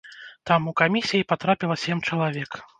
Там у камісіі патрапіла сем чалавек.